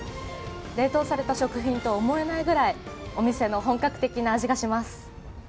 冷凍された食品と思えないくらいお店の本格的な味がします。